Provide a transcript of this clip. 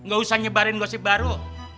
gak usah nyebarin gosip baru